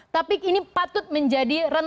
tapi ini patut menjadi